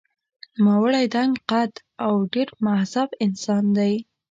نوموړی دنګ قد او ډېر مهذب انسان دی.